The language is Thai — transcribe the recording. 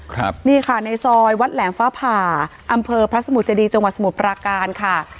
ครับนี่ค่ะในซอยวัดแหลมฟ้าผ่าอำเภอพระสมุทรเจดีจังหวัดสมุทรปราการค่ะ